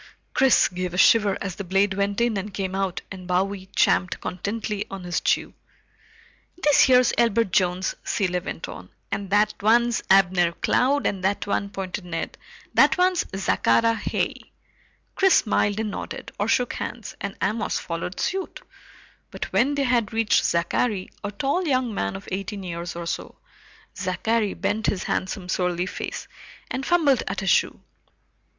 Chris gave a shiver as the blade went in and came out and Bowie champed contentedly on his chew. "This here's Elbert Jones," Cilley went on, "and that one's Abner Cloud, and that one," pointed Ned, "that one's Zachary Heigh." Chris smiled and nodded, or shook hands, and Amos followed suit, but when they had reached Zachary, a tall young man of eighteen years or so, Zachary bent his handsome surly face and fumbled at his shoe.